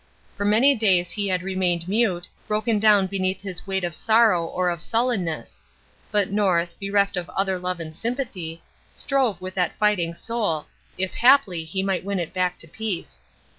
For many days he had remained mute, broken down beneath his weight of sorrow or of sullenness; but North, bereft of other love and sympathy, strove with that fighting soul, if haply he might win it back to peace.